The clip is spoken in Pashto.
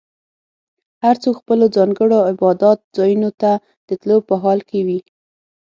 هر څوک خپلو ځانګړو عبادت ځایونو ته د تلو په حال کې وي.